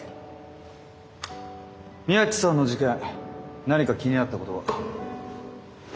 宮地さんの事件何か気になったことは？